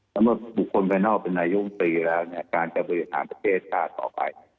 แต่ว่าบุคคลไปนอกเป็นระยุมปีแล้วการจะบริหารประเทศกาลต่อไป